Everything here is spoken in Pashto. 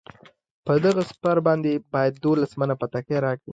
په دغه سپر باندې باید دولس منه بتکۍ راکړي.